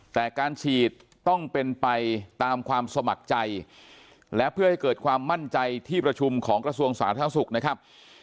แต่การฉีดต้องเป็นไปตามความสมัครใจและเพื่อให้เกิดความมั่นใจที่ประชุมของกระทรวงสาธารณสุขนะครับ